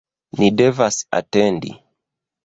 ni devas atendi!